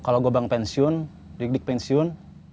kalo gue bang pensiun diikdik pensiun